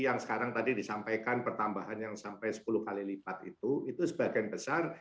yang sekarang tadi disampaikan pertambahan yang sampai sepuluh kali lipat itu itu sebagian besar